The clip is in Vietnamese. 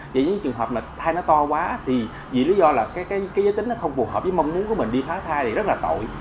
vì những trường hợp là thai nó to quá thì vì lý do là cái giới tính nó không phù hợp với mong muốn của mình đi phá thai thì rất là tội